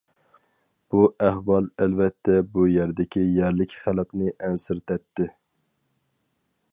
بۇ ئەھۋال ئەلۋەتتە بۇ يەردىكى يەرلىك خەلقنى ئەنسىرىتەتتى.